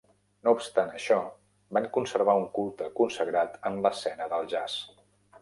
No obstant això, van conservar un culte consagrat en l'escena del jazz.